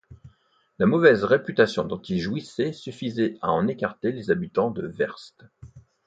La mauvaise réputation dont il jouissait suffisait à en écarter les habitants de Werst.